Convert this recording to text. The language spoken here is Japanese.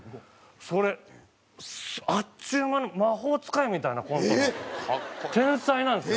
それあっちゅう間の魔法使いみたいなコントの天才なんですよ。